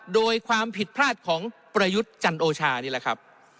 โดยความผิดพลาดของประยุทธ์จันโอชานี่แหละครับ